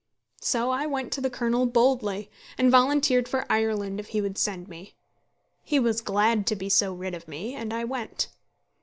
So I went to the Colonel boldly, and volunteered for Ireland if he would send me. He was glad to be so rid of me, and I went.